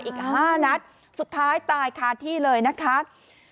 อีก๕นัดสุดท้ายตายคาที่เลยนะคะ